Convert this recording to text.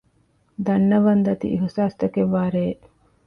ދަންނަވަން ދަތި އިހުސާސްތަކެއް ވާ ރެއެއް